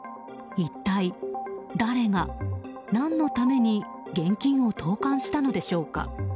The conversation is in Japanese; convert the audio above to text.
一体誰が何のために現金を投函したのでしょうか。